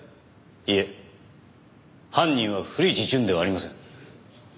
いえ犯人は古市潤ではありません。